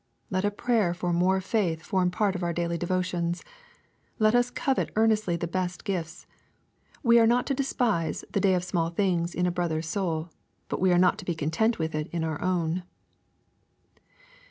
Let a prayer for more faith form part of our daily devotions. Let us covet earnestly the best gifts. We are not to despise *Hhe day of small things" in a brother's soul, but we are not to be content with it in our own.